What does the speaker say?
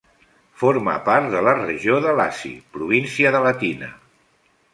Forma part de la regió de Laci, província de Latina.